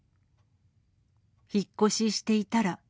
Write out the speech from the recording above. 引っ越ししていたら。